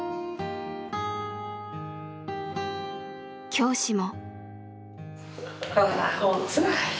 教師も。